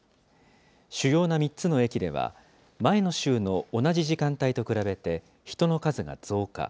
主要な３つの駅では、前の週の同じ時間帯と比べて、人の数が増加。